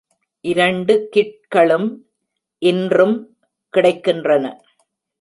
இரண்டு கிட்களும் இன்றும் கிடைக்கின்றன.